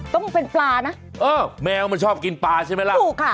ต้องเป็นปลานะเออแมวมันชอบกินปลาใช่ไหมล่ะถูกค่ะ